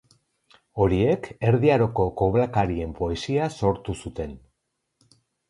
Horiek Erdi Aroko koblakarien poesia sortu zuten.